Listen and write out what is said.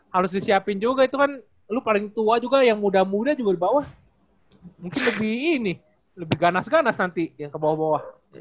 harus disiapin juga itu kan lu paling tua juga yang muda muda juga di bawah mungkin lebih ini lebih ganas ganas nanti yang ke bawah bawah